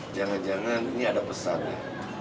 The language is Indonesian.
jangan jangan ini ada pesan ya